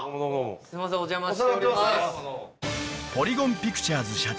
すいませんお邪魔しております。